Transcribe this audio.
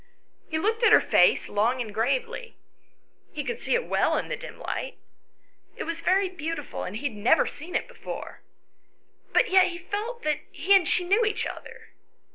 He looked at her face long and gravely. He could see it well in the dim light. It was very beautiful, and he had never seen it before ; but yet he felt that he and she knew each other.